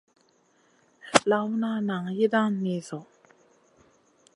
Lawna nan yiidan ni zo.